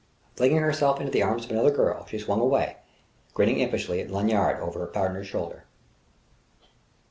Flinging herself into the arms of another girl, she swung away, grinning impishly at Lanyard over her partner's shoulder.